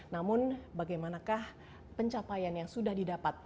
namun bagaimanakah pencapaian yang sudah didapat